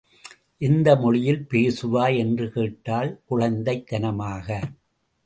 எந்த மொழியில் பேசுவாய்? என்று கேட்டாள் குழந்தைத் தனமாக.